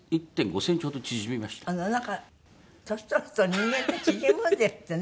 なんか年取ると人間って縮むんですってね。